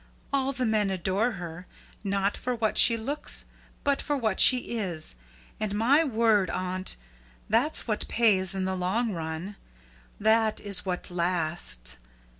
All the men adore her, not for what she looks but for what she is, and, my word, aunt, that's what pays in the long run. That is what lasts.